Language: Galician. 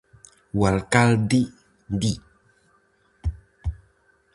O alcalde di: